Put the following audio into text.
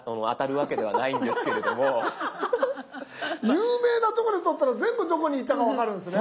有名な所で撮ったら全部どこに行ったか分かるんですね。